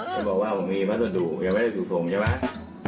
จะบอกว่าผมมีพัสดุอย่าไว้ในสู่ฝงใช่ไหม